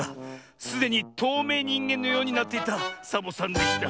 すでにとうめいにんげんのようになっていたサボさんでした。